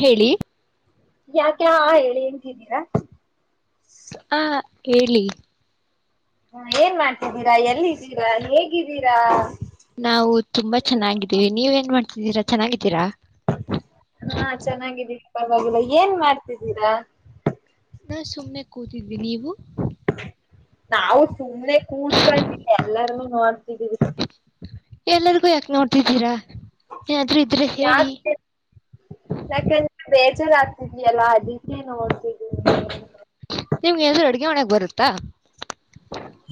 ಹೇಳಿ ಯ ಕ ಹ ಎನ್ಂತಿದ್ದೀರಾ ಹ ಹೇಳಿ ಹ ಏನ್ ಮಾಡ್ತಿದ್ದೀರಾ ಎಲ್ಲಿದ್ದೀರಾ ಹೇಗಿದ್ದೀರಾ ನಾವು ತುಂಬಾ ಚೆನ್ನಾಗಿದ್ದೀವಿ ನೀವ ಏನ್ ಮಾಡ್ತಿದ್ದೀರಾ ಚೆನ್ನಾಗಿದ್ದೀರಾ ಹಾ ರಾ ನಾ ಸುಮ್ನೆ ಕೂತಿದ್ವಿ ನೀವು ನಾವು ಸುಮ್ನೆ ಕೂಡ್ಕೊಂಡ ಎಲ್ಲಾರೂ ನೋಡ್ತ ಎಲ್ಲರಿಗೂ ಯ ದ್ದೀರಾ ಏನಾದ್ರೂ ಇದ್ರೆ ಹೇಳಿ ಬೇಜಾರಾಗ್ತಿದಯಲ್ಲ ಅದಕ್ಕೆನೋಡ್ತಿದೀನಿ ನಿಮ್ಗೆ ಎಲ್ರೂ ಅಡ್ಗೆ ಮಾಡಕ್ ಬರುತ್ತಾ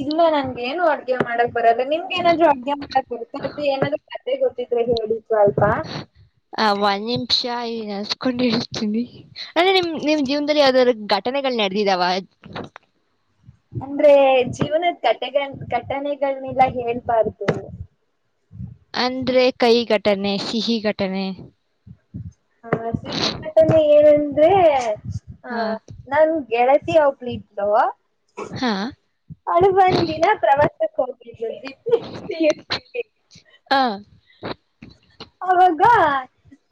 ಇಲ್ಲ ನನ್ಗೆ ಏನು ಅಡ್ಗೆ ಮಾಡಕ್ ಬರೋದ ನಿಮ್ಗೆ ಏನಾದ್ರು ಮಾಡ ಏನಾದೂ ಕ ಗೊತ್ತ ಡಿ ಆ ಒಂದ್ ನಿಮಿಷ ಈ ನನ್ಸ್ಕೊಂಡ್ ಇಡ್ರ್ತೀನಿ ಅಂದ್ರೆ ನಿಮ್ ನಿಮ್ ಜೀವನದಲ್ಲಿ ಯಾವ್ದಾದ್ ಘಟನೆಗಳು ನಡೆದಿದಾವ ಅಂದ್ರೆ ಜೀವನದ ಘಟನೆ ಘಂಟೆನೆಗಳನ್ನೆಲ್ಲ ಹೇಳ್ಬಾರ್ದು ಅಂದ್ರೆ ಕಹಿ ಘಟನೆ ಸಿಹಿ ಘಟನೆ ಹ್ಮ್ ಹಾ ಸಿಹಿ ಘಟನೆ ಏನಂದ್ರೆ ಆ ಹ ನನ್ ಗೆಳತಿ ಒಬ್ಳಿದ್ಲು ಹಾ ಅಳ ಬಂದಿನ ಪ್ರವಾಸಕ್ಕೆ ಹೋಗಿ ಹ ಅವಾಗ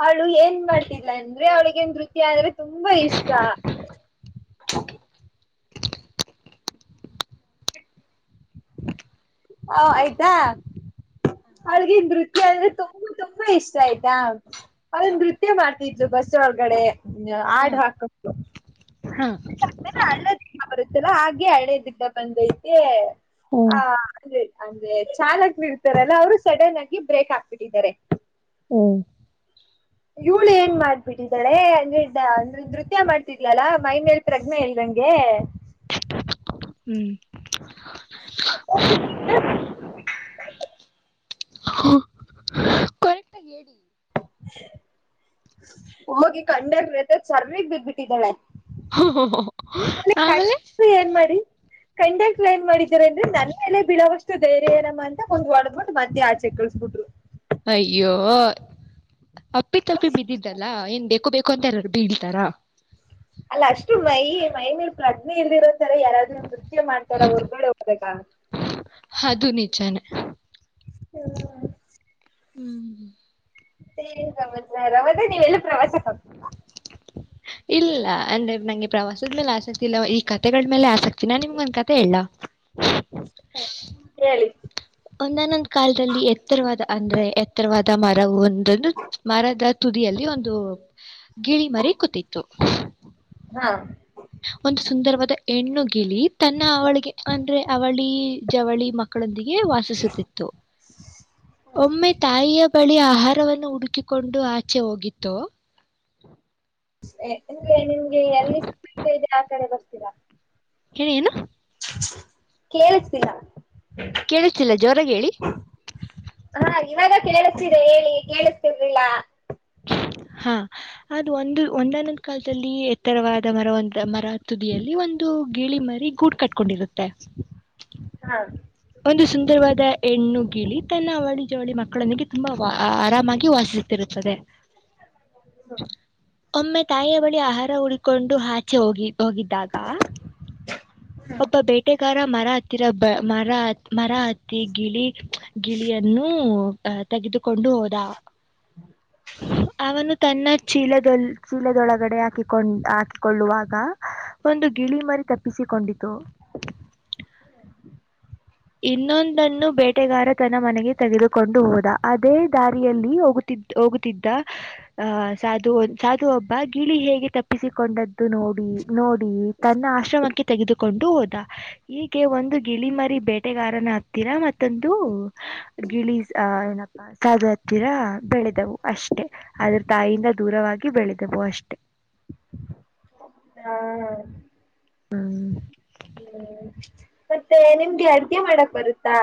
ಅವಳು ಏನ್ ಮಾಡ್ತಿಲ್ಲ ಅಂದ್ರೆ ಅವಳಗೆ ನೃತ್ಯ ಅಂದ್ರೆ ತುಂಬಾ ಇಷ್ಟ ಹ ಆಯ್ತಾ ಅವಳಗ ನೃತ್ಯ ಅಂದ್ರೆ ತುಂಬಾ ತುಂಬಾ ಇಷ್ಟ ಆಯ್ತಾ ಅವಳ ಹ ನೃತ್ಯ ಮಾಡ್ತಿದ್ಲು ಬಸ್ ಒಳಗಡೆ ಹಾಡ್ ಹಾಕೊಂಡು ಹಾ ಅಳ್ಳದ ಬರುತ್ತೆಲ್ಲ ಹಾಗೆ ಹಳೇದಿದ್ದ ಬಂದೈ ತೇ ಹಾ ಹ್ಮ್ ಅ ಅಂದ್ರೆ ಚಾಲಕರು ಇರ್ತಾರಲ್ಲ ಅವ್ರು ಸಡನ್ ಆಗಿ ಬ್ರೇಕ್ ಹಾಕ್ಬಿಟ್ಟಿದ್ದಾರೆ ಹ್ಮ ಇವಳು ಏನ್ ಮಾಡ್ಬಿಟ್ಟಿದ್ದಾಳೆ ಅಂದ್ರೆ ಅಂದ್ರೆ ನೃತ್ಯ ಮಾಡ್ತಿದ್ಲಲ್ಲಾ ಮೈನ್ಲ್ ಪ್ರಜ್ಞೆ ಇಲ್ದಂಗೆ ಹ್ಮ್ ಕರೆಕ್ಟ ಆಗಿ ಹೇಳಿ ಹೋಗಿ ಕಂಡೆಕ್ಟರ್ ಸರಿಗ್ ಬಿದ್ದಬಿಟ್ಟಿದ್ದಳೆ ಆಮೇಲೆ ಕಂಡೆಕ್ಟರ್ ಏನ್ ಮಾಡಿ ಕಂಡಕ್ಟರ್ ಏನ್ ಮಾಡ ಅಂದ್ರೆ ನನ್ಮೇಲೆ ಬೀಳೋಸ್ಟ್ ಸ್ಟ ದೈರ್ಯ ಏನಮ್ಮ ಅಂತ ಒಂದ್ ಹೊಡೆದ್ಬಿಟ್ಟು ಮತ್ತೆ ಆಚೆ ಕಳಿಸಸ್ಬಿಟ್ರು ಅಯ್ಯೋ ಅಪ್ಪಿ ತಪ್ಪಿ ಬಿದ್ದಲ್ಲಾ ಏನ್ ಬೇಕು ಬೇಕು ಕೊಂದರರು ಬೀಳಿತಾರಾ ಅಲ್ಲ ಅಷ್ಟು ಮೈ ಮೈನಲ್ ಪ್ರಜ್ಞೆ ಇಲ್ದಿರೋತಾರೆ ಯಾರಾದ್ರೂ ನೃತ್ಯ ಮಾಡ್ತಾರ ಹೊರ್ಗಡೆ ಹೋದಾಗ ಅದು ನಿಜಾನೇ ಹ್ಮ ಹ್ಮ್ [unintelligible] ಮತ್ತೆ ಏನ್ ಸಮಾಚಾರ ಅಂದ್ರೆ ನೀವೆಲ್ಲ ಪ್ರವಾಸಕ್ ಹೋಗಿದ್ದ ಇಲ್ಲ ಅಂದ್ರೆ ನಂಗೆ ಪ್ರವಾಸದ ಮೇಲೆ ಆಸೆ ಇಲ್ಲ ಈ ಕಥೆಗಳ ಮೇಲೆ ಆಸಕ್ತಿನ ನಿಮ್ಗ ಒಂದ್ ಕತೆ ಹೇಳಲ್ಲಾ ಹಾ ಹ ಹೇಳಿ ಒಂದನ್ನೊಂದು ಕಾಲದಲ್ಲಿ ಎತ್ತರವಾದ ಅಂದ್ರೆ ಎತ್ತರವಾದ ಮರವು ಒಂದಂದು ಮರದ ತುದಿಯಲ್ಲಿ ಒಂದು ಗಿಳಿ ಮರಿ ಕೂತಿತ್ತು ಹಾ ಒಂದು ಸುಂದರವಾದ ಹೆಣ್ಣು ಗಿಳ ತನ್ನ ಅವಳಿಗೆ ಅಂದ್ರೆ ಅವಳಿ ಜವಳಿ ಮಕ್ಕ ಮಕ್ಕಳೊಂದಿಗೆ ವಾಸಿಸುತ್ತಿತ್ತು ಒಮ್ಮೆ ತಾಯಿಯ ಬಳಿ ಆಹಾರವನ್ನು ಹುಡುಕಿ ಕೊಂಡು ಆಚೆ ಹೋಗಿತ್ತುತ್ತು ಹ ಇಲ್ಲಿ ನಿಮ್ಗೆ ಎಲ್ಲಿ ಇದೆ ಆ ಕಡೆ ಬರ್ತದೆ ಹೇಳನು ಏನು ಕೇಳಕಲ್ಲ ಕೇಳತಿಲ್ಲ ಜೋರಾಗ ಹೇಳಿ ಹಾ ಇವಾಗ ಕೇಳಿಸ್ತಿದೆ ಹೇಳಿ ಕೇಳಿಸತಿರ್ಲಿಲ್ಲ ಹ ಅದು ಒಂದು ಒಂದನ್ನೊಂದು್ ಕಾಲದಲ್ಲಿ ಎತ್ತರವಾದ ಮರ ಒ ಮರ ತುದಿಯಲ್ಲಿ ಒಂದು ಗಿಳಿ ಮರಿ ಗೂಡ್ ಕಟ್ಕೊಂಡಿರುತ್ತೆ ಹಾ ಒಂದು ಸುಂದರವಾದ ಹೆಣ್ಣು ಗಿಳಿ ತನ್ನ ಅವಳಿ ಜವಳಿ ಮಕ್ಕಳೊಂದಿಗೆ ತುಂಬಾ ಆರಾಮಾಗಿ ವಾಸಿಸುತ್ತಿರುತ್ತದೆ ಒಮ್ಮೆ ತಾಯ ಬಳಿ ಆಹಾರ ಉಳ್ಕೊಂಡು ಹಾಚೆ ಹೋಗಿ ಹೋಗಿದ್ದಾಗ ಒಬ್ಬ ಬೇಟೆಗಾರ ಮರ ತ್ತರಬ ಮರಾತ್ ಮರಾತ್ ತ್ತ ಗಿಳಿ ಗಿಳಿಯನ್ನು ಹ ತೆಗೆು ಕೊಂಡು ಹೋದ ಅವನು ತನ್ನ ಚೀಲದೊ ಚೀಲದೊಳಗಡೆ ಹಾಕಿತ್ತು ಕೊಂಡ್ ಹಾಕಿಕೊಳ್ಳುವಾಗ ಒಂದು ಗಿಳಿ ಮರಿ ತಪ್ಪಿಸಿಕೊಂಡಿದ್ದ ತ ಹ ಇನ್ನೊಂದನ್ನು ಬೇಟೆಗಾರ ತನ್ನ ಮನೆಗೆ ತೆಗೆದುಕೊಂಡು ಹೋದ ಅದೇ ದಾರಿಯಲ್ಲಿ ಹೋಗುತ್ತಿದ್ದ ಹೋಗುತ್ತಿದ್ದ ಆಹ ಸಾಧು ಸಾಧು ಹಬ್ಬ ಗಿಳಿ ಹೇಗೆ ತಪ್ಪಿಸಿಕೊಂಡದ್ದು ನೋಡಿ ನೋಡಿ ತನ್ನ ಆಶ್ರಮಿ ತೆಗೆದುಕೊಂಡು ಹೋದ ಹೀಗೆ ಒಂದು ಗಿಳಿಮರಿ ಬೆೆ ಹೊಟ್ಟೆಗಾರನ ಹತ್ತಿರ ಮತ್ತೊಂದು ಗಿಳಿ ಅ ಏನಪ್ಪಾ ಸಧು ಹತ್ತಿರ ಬೆಳೆದವು ಅಷ್ಟೆ ಆದ್ರ ತಾಯಿಯಿಂದ ದೂರವಾಗಿ ಬೆಳೆದವು ಅಷ್ಟೆ ಹಾ ಹ್ಮ ಮತ್ತೆ ನಿಮ್ಗೆ ಅಡ್ಗೆ ಮಾಡಕ್ ಬರುತ್ತಾ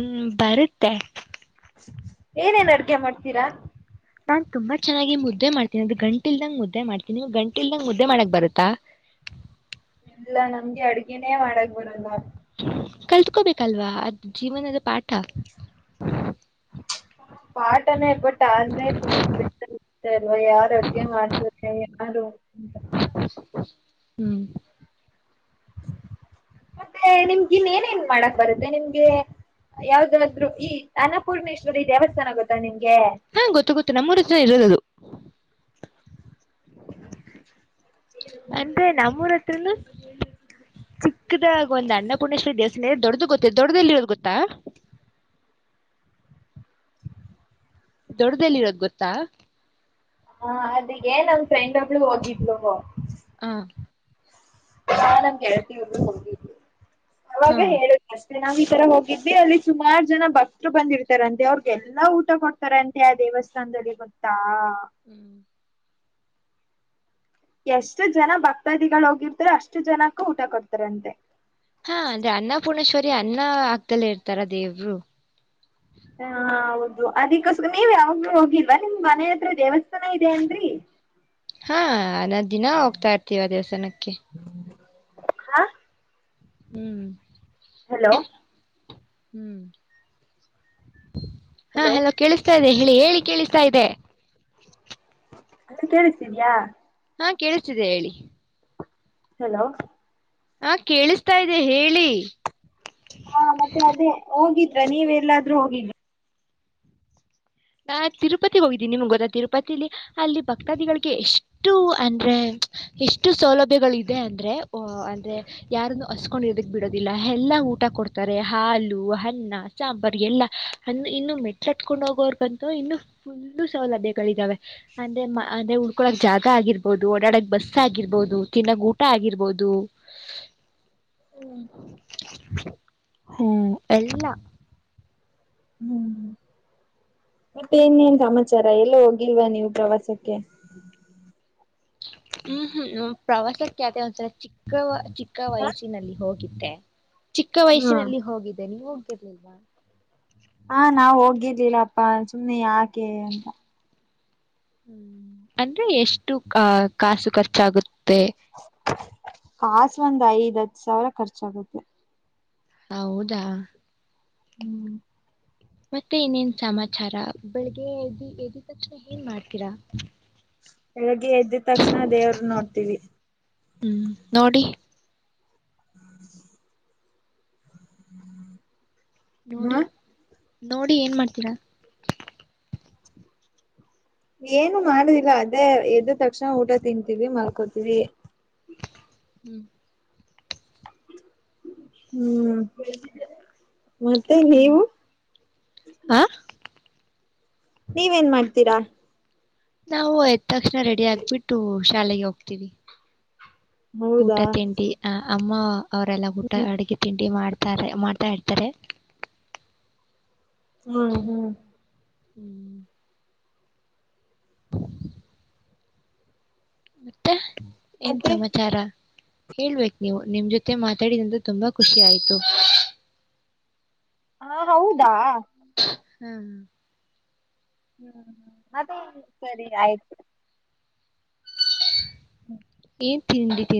ಹ್ಮ್ ಬರುತ್ತೆ ಏನೇನ್ ಅಡ್ಗೆ ಮಾಡ್ತೀರಾ ನಾನ್ ತುಂಬಾ ಚೆನ್ನಾಗಿ ಮುದ್ದೆ ಮಾಡ್ತೀನಿ ಅದು ಗಂಟ ಇಲ್ದಂಗ ಮುದ್ದೆ ಮಾಡ್ತೀನಿ ಗಂಟಿ ಇಲ್ದಂಗ್ ಮುದ್ದೆ ಮಾಡಕ್ ಬರುತ್ತಾ ಎಲ್ಲ ನಮ್ಗೆ ಅಡ್ಗೆನೇ ಮಾಡಕ್ ಬರಲ್ಲ ಕಲ್ತ [unintelligible] ಬೇಕಲ್ವಾ ಅದ್ ಜೀವನದ ಪಾಠ [unintelligible] ಪಾಠನೆ ಬಟ್ ಠ ಅಂದ್ರೆ [unintelligible] ತುಂಬಾ [unintelligible] ಯಾರು ಅಡಿಗೆ ಮಾಡ್ತಾರೆ ಯಾರು ಅಂತ ಹ್ಮ್ [unintelligible] ಮತ್ತೆ ನಿಮ್ಗ ಇನ್ನೇಏನೇನ್ ಮಾಡಕ್ ಬರುತ್ತೆ ನಿಮ್ಗೆ ಯಾವ್ದಾದ್ ಈ ಅನ್ನಪೂರ್ಣೇಶ್ವರಿ ದೇವಸ್ಥಾನ ಗೊತ್ತಾ ನಿಮ್ಗೆ ಹಾ ಗೊತ್ತು ಗೊತ್ತು ನಮ್ಮರು ಸ ಇಲ್ಲೇ ರೋದದು ಅಂದ್ರೆ ನಮ್ಮೂರ ಹತ್ರನು [inaudible] ಚಿಕ್ಕದಾಗಿ ಒಂದ್ ಅಣ್ಣಪು ಪುಶ್ವ ದೇವನೇ ದೊಡದು ಗೊತ್ತತ್ತು ದೊಡ್ಡದಲ್ಲಿರೋದು ಗೊತ್ತಾ ದೊಡ್ಡ್ದದಲ್ಲಿರೋದು ಗೊತ್ತಾ ಹ ಅದ [unintelligible] ನ್ ನಮ್ ಫ್ರೆಂಡ್ ಒಬ್ಳು ಹೋಗಿದ್ಲು ಹಾ ನನ್ ಗೆಲ್ತೆ ಒಬ್ಬಳು ಹೋಗಿದ್ಲು ಅವಾಗ ಹಾ ಹೇಳುದಷ್ಟ ನಾವ್ ಈ ತರ ಹೋಗಿದ್ವಿ ಅಲ್ಲಿ ಸುಮಾರು ಜನ ಭಕ್ತರು ಬಂದಿರ್ತಾರಂತೆ ಅವ್ರಿಗೆಲ್ಲಾ ಊಟ ಕೊಡ್ತಾರಂತೆ ಆ ದೇವಸ್ಥಾನದಲ್ಲಿ ಗೊತ್ತಾ ಹ್ಮ್ ಎಷ್ಟು ಜನ ಭಕ್ತಾದಿಗಳು ಹೋಗಿರ್ತಾರ ಅಷ್ಟು ಜನಕು ಊಟ ಕೊಡ್ತಾರಂತೆ ಹಾ ಅಂದ್ರೆ ಅನ್ನಪೂರ್ಣೇಶ್ವರಿ ರಿ ಅನ್ನ ಹಗ್ದಲ್ಲ ಇರ್ತಾರ ದೇವರು ಹ ಹೌದು ಅದಕ್ಕೋಸ್ಕರ ನೀವ್ ಯಾವಾಗೂ ಹೋಗಿಲ್ವಾ ನಿಮ್ ಮನೆ ಹತ್ರ ದೇವಸ್ಥಾನ ಇದೆ ಅಂದ್ರಿ ಹ್ಮ ಹದ ದಿನ ಹೋಗ್ತಾ ಇರ್ತೀವ ದೇವಸ್ಥಾನಕ್ಕೆ [unintelligible] ಹಾ ಹ್ಮ್ ಹಲೋ ಹ್ಮ್ ಹಾ ಹಲೋ ಕೇಳಿಸ್ತಾ ಇ್ದದೆ ಹೇಳಿ ಹೇಳಿ ಕೇಳಿಸ್ತಾ ಇದೆ ಅದ ಕೇಳಿಸಿದ್ಯಾ ಹಾ ಕೇಳಿಸ್ತಿದೆ ಹೇಳಿ ಹಲೋ ಹಾ ಕೇಳಿಸ್ತಾ ಇದ್ದೆ ಹೇಳಿ ಹಾ ಮತ್ತೆ ಅದೇ ಹೋಗಿದ್ರ ನೀವೆ ಎಲ್ಲಾದ್ರೂ ಹೋಗಿಲ್ಲ ನಾ ತಿರುಪತಿಗ್ ಹೋಗಿದ್ದೀನಿ ನಿಮ್ಗ್ ಗೊತ್ತಾ ತಿರುಪತಿಲಿ ಅಲ್ಲಿ ಭಕ್ತಾದಿಗಳಿಗೆ ಎಷ್ಟು ಅಂದ್ರೆ ಎಷ್ಟು ಸೌಲಭ್ಯಗಳ ಇದೆ ಅಂದ್ರೆ ಅಂದ್ರೆ ಯಾರನ್ನು ಹಸ್ಕೊಂಡಿರೋದಕ್ ಬಿಡೋದಿಲ್ಲ ಎಲ್ಲಾ ಊಟ ಕೊಡ್ತಾರೆ ಹಾಲು ಅನ್ನ ಸಾಂಬಾರ್ ಎಲ್ಲಾ ಅ ಇನ್ನು ಮೆಟ್ಲಟ್ಕೊಂಡು ಬಂತು ಇನ್ನು ಫುಲ್ಲು ಸೌಲಭ್ಯಗಳಿದಾವೆ ಅಂದ್ರೆ ಅಂದ್ರೆ ಉಳ್ಕೊಳಕ್ ಜಾಗ ಆಗಿರ್ಬೋದು ಓಡಾಡಕ್ ಬಸ್ ಆಗಿರ್ಬೋದು ತಿನ್ನಕ್ ಊಟ ಆಗಿರ್ಬೋದು ಹ್ಮ್ [inaudible] ಹ್ಮ್ ಎಲ್ಲ ಹ್ಮ್ ಮತ್ತೆ ಇನ್ನೇನ್ ಸಮಾಚಾರ ಎಲ್ಲ ಹೋಗಿಲ್ವಾ ನೀವು ಪ್ರವಾಸಕ್ಕೆ ಹ್ಮ್ ಹ್ಮ್ ಹ್ಮ್ ಪ್ರವಾಸಕ್ಕೆ ಯಾತಿ ಒಸ ಚಿಕ್ಕ ಚಿಕ್ಕ ಚಿಕ್ಕ ವಯಸ್ಸಿನಲ್ಲಿ ಹೋಗಿ [unintelligible] ಚಿಕ್ಕ ಹಾ ವಯಸ್ಸಿನಲ್ಲಿ ಹೋಗಿದೆ ನೀವು ಕಟ್ ಹಾ ನಾವ್ ಹೋಗಿರ್ಲಿಲ್ಲಪ್ಪಾ ಸುಮಮ್ಮನೆ ಯಾಕೆ ಅಂತ ಹ್ಮ ಅಂದ್ರೆ ಎಷ್ಟು ಆ ಕಾಸು ಖರ್ಚಾಗುತ್ತೆ ಹಾ ಒಂದ್ ಐದ್ ಹತ್ತು ಸಾವಿರ ಖರ್ಚಾಗುತ್ತೆ ಹೌದಾ ಹ್ಮ್ ಮತ್ತೆ ಇನ್ನೇನ್ ಸಮಾಚಾರ ಬೆಳಿಗ್ಗೆ ಎ ಎ್ದ ತಕ್ಷಣ ಏನ್ ಮಾಡ್ತೀರಾ ಬೆಳಗ್ಗೆ ಎದ್ದಿದ ತಕ್ಷಣ ದೇವರು ನೋಡ್ತೀವಿ ಹ್ಮ್ ನೋಡಿ ಹ್ಮ ನೋಡಿ ಹಾ ನೋಡಿ ಏನ್ ಮಾಡ್ತೀರಾ ಏನು ಮಾಡುದಿಲ್ಲ ಅದೇ ಎದ್ದ ತಕ್ಷಣ ಊಟ ತಿಂತೀವಿ ಮಲ್ಕೋತೀವಿ ಹ್ಮ್ ಹ್ಮ್ ಮತ್ತೆ ಹ್ಮ್ ನೀವು ಹ ನೀವೇನ್ ಮಾಡ್ತೀರಾ [unintelligible] ನಾವು ಎ್ದ ತಕ್ಷಣ ರೆಡಿ ಆಕ್ಬಿಟ್ಟು ಶಾಲೆಗೆ ಹೋಗ್ತೀವಿ [unintelligible] ಊಟ ಹೌದಾ ತಿಂಡಿ ಆ [unintelligible] ಅಮ್ಮ [unintelligible] ಅವರೆಲ್ಲ ಊಟ ಹ್ಮ್ ಅಡುಗೆ ತಿಂಡಿ ಮಾಡ್ [unintelligible] ತಾರೆ ಮಾಡ್ತಾ ಇರ್ತಾರೆ [unintelligible] ಹ್ಮ್ ಹ್ಮ್ [unintelligible] ಹ್ಮ್ [inaudible] ಮತ್ತೆ [unintelligible] ಏನ್ ಮತ್ತೆ ಸಮಾಚಾರ [unintelligible] ಹೇಳ್ಬೇಕ್ ನೀವು ನಿಮ್ ಜೊತೆ ಮಾತಾಡಿದಿಂದ ತುಂಬಾ ಖುಷಿ ಆಯ್ತು [unintelligible] ಹಾ ಹೌದಾ [unintelligible] ಹ್ಮ್ [unintelligible] ಹ್ಮ್ ಅದೇ ಸರಿ ಆಯ್ತು [unintelligible] ಹ್ಮ [unintelligible] ಏನ್ ತಿಂಡಿ ತಿಂ [unintelligible]